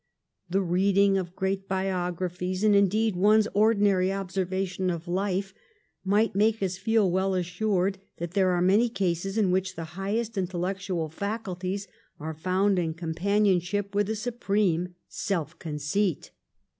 The reading of great biographies, and indeed one's ordinary observation of life, might make us feel weU assured that there are many cases in which the highest intellectual faculties are found in companion ship with a supreme self conceit.